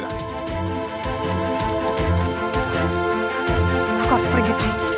aku harus pergi